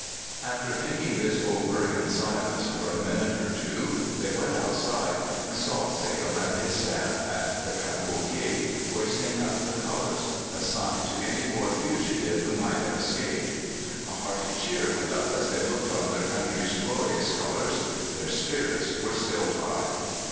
] After thinking this over in silence for a minute or two, they went outside and saw Sale and his staff at the Cabul gate hoisting up the colours, a sign to any poor fugitive who might have escaped. A hearty cheer went up as they looked on their country's glorious colours. Their spirits were still high.